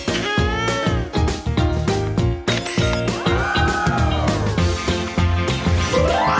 เกลือเท่านั้นแหละครับเกลือเท่านั้นแหละครับ